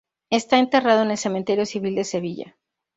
Está enterrado en el Cementerio Civil de Sevilla.